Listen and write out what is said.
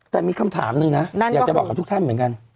แต่มีคำถามหนึ่งนะอยากจะบอกกับทุกท่านเหมือนกัน